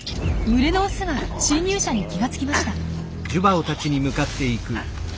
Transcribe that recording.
群れのオスが侵入者に気が付きました。